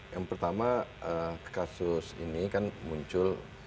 yang pertama kasus ini kan muncul